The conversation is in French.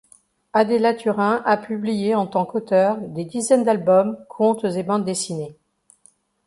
Adela Turin a publié en tant qu’auteure des dizaines d’albums, contes et bandes dessinées.